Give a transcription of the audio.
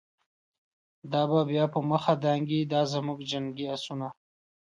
دا به بیا په مخه دانګی، دازموږ جنګی آسونه